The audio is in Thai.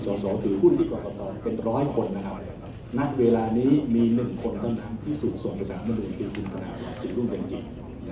เราถือหุ้นที่ก่อตอบเป็น๑๐๐คนณเวลานี้มี๑คนต้องทำที่สูงส่งอาสาหรัฐมนุ่นคือทุกรุงเยี่ยมกิจ